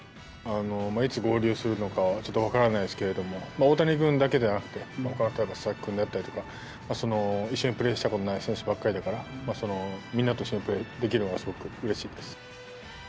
いつ合流するのかちょっと分からないですけど大谷君だけではなくて佐々木君であったりとか一緒にプレーしたことがない選手ばかりだからみんなと一緒にプレーできるのがうれしいです。